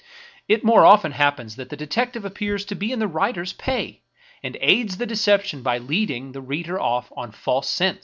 It more often happens that the detective appears to be in the writer's pay, and aids the deception by leading the reader off on false scents.